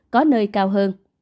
có nơi cao hơn